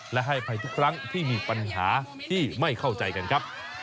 และให้อภัยทุกครั้งที่มีปัญหาที่ไม่เข้าใจกันครับ